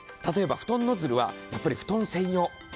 例えば布団ノズルはやっぱり布団専用。